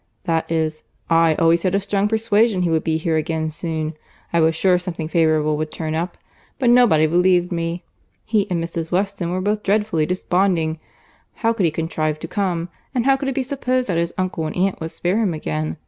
That is, I always had a strong persuasion he would be here again soon, I was sure something favourable would turn up—but nobody believed me. He and Mrs. Weston were both dreadfully desponding. 'How could he contrive to come? And how could it be supposed that his uncle and aunt would spare him again?